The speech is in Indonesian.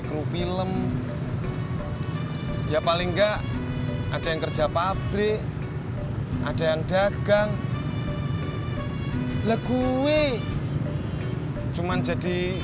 kru film ya paling enggak ada yang kerja pabrik ada yang dagang legue cuman jadi